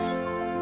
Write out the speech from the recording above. aku juga mau